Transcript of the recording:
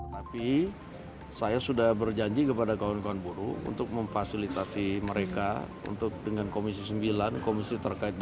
tapi saya sudah berjanji kepada kawan kawan buruh untuk memfasilitasi